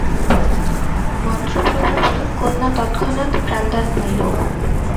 মন্ত্রপ্রভাবে কন্যা তৎক্ষণাৎ প্রাণদান পাইল।